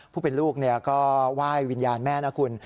ผู้เป็นลูกก็ไหว้วิญญาณแม่นะคุณ